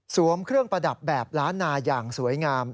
เครื่องประดับแบบล้านนาอย่างสวยงาม